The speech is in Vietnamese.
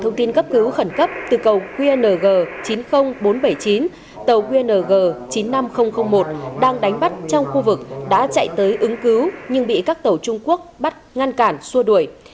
thông tin cấp cứu khẩn cấp từ tàu qng chín mươi nghìn bốn trăm bảy mươi chín tàu qng chín mươi năm nghìn một đang đánh bắt trong khu vực đã chạy tới ứng cứu nhưng bị các tàu trung quốc bắt ngăn cản xua đuổi